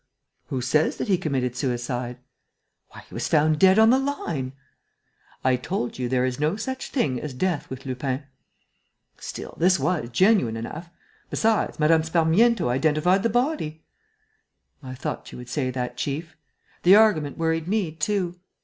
"Who says that he committed suicide?" "Why, he was found dead on the line!" "I told you, there is no such thing as death with Lupin." "Still, this was genuine enough. Besides, Mme. Sparmiento identified the body." "I thought you would say that, chief. The argument worried me too.